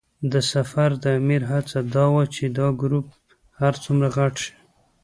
د سفر د امیر هڅه دا وه چې دا ګروپ هر څومره غټ شي.